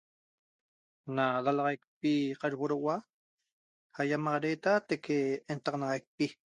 Na dalaxaiqpi carhuoroua aiamagreta teque entaxanaxaiqpi